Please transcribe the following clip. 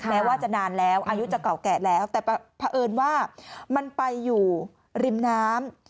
แม้ว่าจะนานแล้วอายุจะเก่าแก่แล้วแต่เผอิญว่ามันไปอยู่ริมน้ำ